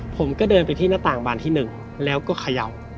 ผมก็เดินไปที่หน้าต่างบานที่๑แล้วก็เขย่า